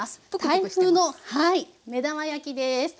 タイ風の目玉焼きです。